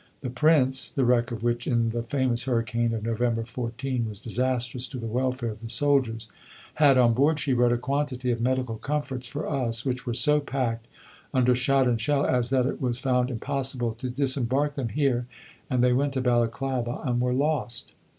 The Prince (the wreck of which in the famous hurricane of November 14 was disastrous to the welfare of the soldiers) "had on board," she wrote, "a quantity of medical comforts for us, which were so packed under shot and shell as that it was found impossible to disembark them here, and they went to Balaclava and were lost."